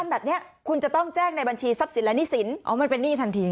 แบบนี้คุณจะต้องแจ้งในบัญชีทรัพย์สินและหนี้สินอ๋อมันเป็นหนี้ทันที